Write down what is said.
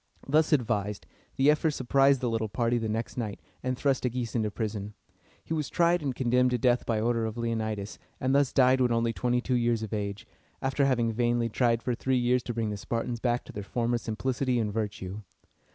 Thus advised, the ephors surprised the little party the next night, and thrust Agis into prison. He was tried and condemned to death by order of Leonidas, and thus died when only twenty two years of age, after having vainly tried for three years to bring the Spartans back to their former simplicity and virtue.